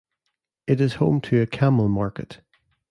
It is home to a camel market.